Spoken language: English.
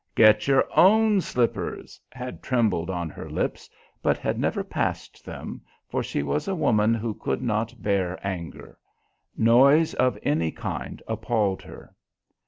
"Get your own slippers" had trembled on her lips, but had never passed them, for she was a woman who could not bear anger. Noise of any kind appalled her.